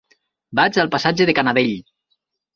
Vaig al passatge de Canadell.